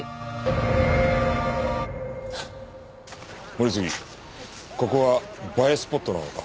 森杉ここは映えスポットなのか？